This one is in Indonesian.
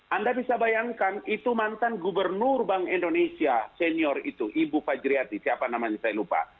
anda bisa bayangkan itu mantan gubernur bank indonesia senior itu ibu fajriyati siapa namanya saya lupa